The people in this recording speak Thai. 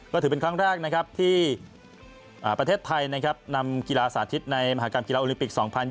ก็ถือเป็นครั้งแรกที่ประเทศไทยนำกีฬาสาธิตในมหากรรมกีฬาโอลิมปิก